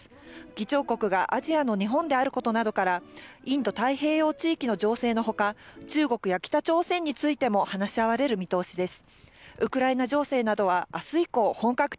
議長国がアジアの日本であることなどから、インド太平洋地域の情勢のほか、中国や北朝鮮についても話し合われる見通しです。